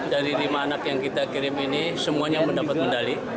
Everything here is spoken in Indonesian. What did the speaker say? dari lima anak yang kita kirim ini semuanya mendapat medali